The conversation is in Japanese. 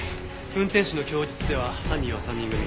運転手の供述では犯人は３人組。